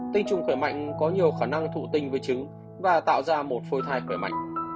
tinh trùng khởi mạnh có nhiều khả năng thụ tinh với trứng và tạo ra một phôi thai khởi mạnh